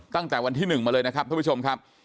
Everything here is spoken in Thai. ตั้งแต่วันที่๑มาเลยนะครับท่านผู้ชมครับ